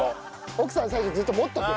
奥さん最初ずっと持っておく。